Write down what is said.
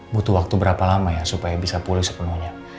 butuh waktu berapa lama ya supaya bisa pulih sepenuhnya